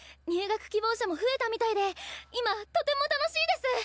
入学希望者も増えたみたいで今とても楽しいです！